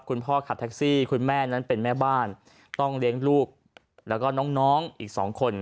คนขับแท็กซี่คุณแม่นั้นเป็นแม่บ้านต้องเลี้ยงลูกแล้วก็น้องอีก๒คน